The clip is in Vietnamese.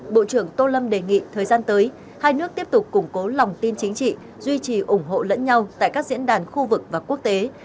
bộ trưởng tô lâm đề nghị thời gian tới hai nước tiếp tục củng cố lòng tin chính trị duy trì ủng hộ lẫn nhau tại các diễn đàn khu vực và quốc tế